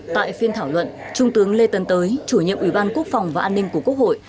tại phiên thảo luận trung tướng lê tân tới chủ nhiệm ủy ban quốc phòng và an ninh của quốc hội